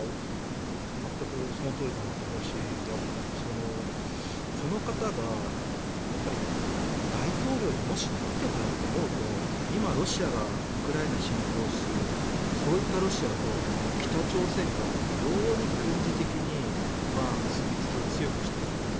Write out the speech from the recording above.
全くそのとおりだなと思うしこの方が大統領にもしなっていたらと思うと今、ロシアがウクライナ侵攻するそういったロシアと北朝鮮が非常に軍事的に結びつきを強くしていると。